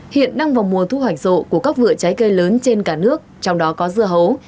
hiện đang vào mùa thu hoạch rộ của các vựa trái cây lớn trên cả nước trong đó có dưa hấu